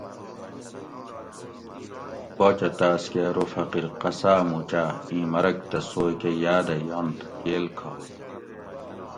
باچہ تاۤس کہ ارو فقیر قصا مُو چا اِیں مرگ تہ سوئ کہ یاۤدہ ینت گیل کھو